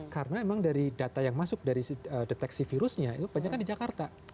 karena memang dari data yang masuk dari deteksi virusnya itu banyaknya di jakarta